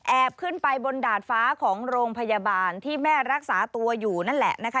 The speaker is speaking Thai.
ขึ้นไปบนดาดฟ้าของโรงพยาบาลที่แม่รักษาตัวอยู่นั่นแหละนะคะ